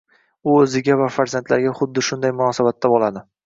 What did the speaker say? U o'ziga va farzandlariga xuddi shunday munosabatda bo'ladi